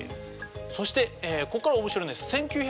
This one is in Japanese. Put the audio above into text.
そしてここから面白いんです。